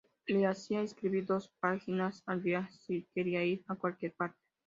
Le hacía escribir dos páginas al día si quería ir a cualquier parte.